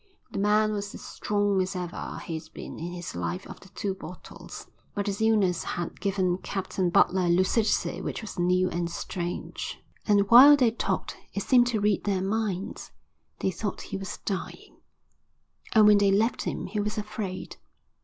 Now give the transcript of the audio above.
That man was as strong as ever he'd been in his life after two bottles. But his illness had given Captain Butler a lucidity which was new and strange, and while they talked he seemed to read their minds. They thought he was dying. And when they left him he was afraid.